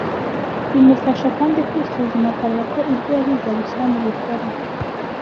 Bimufasha kandi kwisuzuma akareba ko ibyo yahize abishyira mu bikora